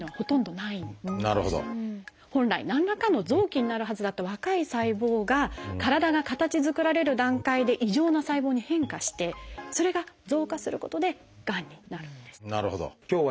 本来何らかの臓器になるはずだった若い細胞が体が形づくられる段階で異常な細胞に変化してそれが増加することでがんになるんです。